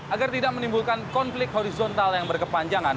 agar tidak menimbulkan konflik horizontal yang berkepanjangan